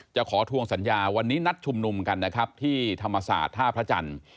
ขอทวงสัญญาวันนี้นัดชุมนุมกันนะครับที่ธรรมศาสตร์ท่าพระจันทร์